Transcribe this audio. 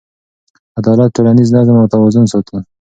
عدالت ټولنیز نظم او توازن ساتي.